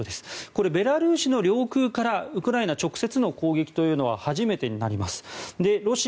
これ、ベラルーシの領空からウクライナ直接の攻撃というのは初めてになります。